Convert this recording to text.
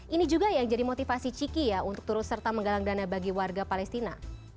ini juga yang jadi motivasi ciki ya untuk turut serta menggalang dana bagi warga palestina